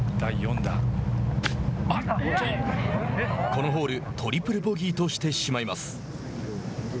このホール、トリプルボギーとしてしまいます。